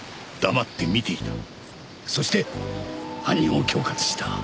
そして犯人を恐喝した。